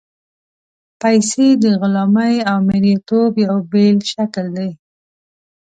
پیسې د غلامۍ او مرییتوب یو بېل شکل دی.